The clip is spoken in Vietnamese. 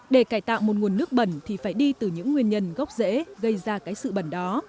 để cải tạo một nguồn nước bẩn thì phải đi từ những nguyên nhân gốc dễ gây ra cái sự bẩn đó